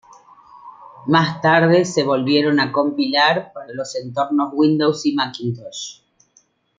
Más tarde se volvieron a compilar para los entornos Windows y Macintosh.